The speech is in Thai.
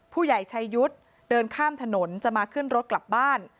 ผู้ใหญ่ชัยยุทธ์เดินข้ามถนนจะมาขึ้นรถกลับบ้าน